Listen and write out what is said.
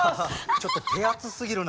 ちょっと手厚すぎるな。